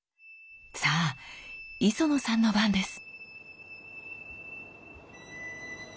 さあ磯野さんの番です！